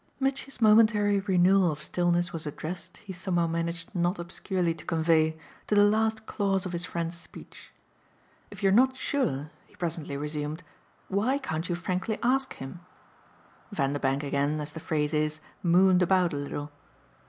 Mitchy's momentary renewal of stillness was addressed, he somehow managed not obscurely to convey, to the last clause of his friend's speech. "If you're not sure," he presently resumed, "why can't you frankly ask him?" Vanderbank again, as the phrase is, "mooned" about a little.